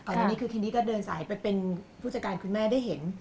อันนี้คือทีนี้ก็เดินสายไปเป็นผู้จัดการคุณแม่ได้เห็น